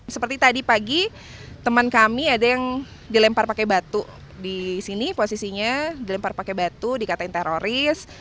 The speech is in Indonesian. seperti tadi pagi teman kami ada yang dilempar pakai batu di sini posisinya dilempar pakai batu dikatakan teroris